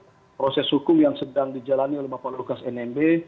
memang hari hari ini saya pikir proses hukum yang sedang dijalani oleh bapak lukas nmb